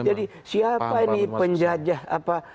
jadi siapa ini penjajah apa